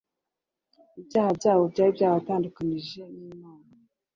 Ibyaha byabo byari byarabatadukanyije n'Imana,